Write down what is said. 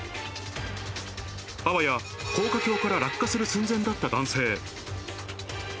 あわや、高架橋から落下する寸前だった男性。